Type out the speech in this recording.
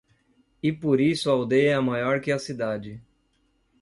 e por isso a aldeia é maior que a cidade...